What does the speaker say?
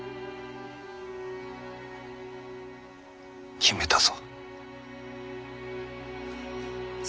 決めたぞ。